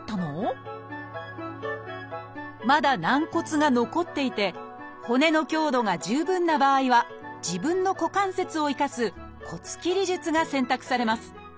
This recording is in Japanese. まだ軟骨が残っていて骨の強度が十分な場合は自分の股関節を生かす骨切り術が選択されます。